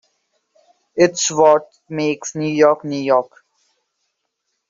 It's what makes New York New York.